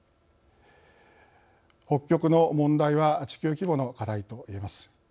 北極の問題は地球規模の課題と言えます。